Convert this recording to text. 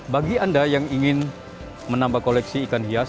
bagi anda yang ingin menambah koleksi ikan hias